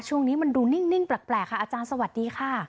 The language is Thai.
ช่วงนี้มันดูนิ่งแปลกค่ะอาจารย์สวัสดีค่ะ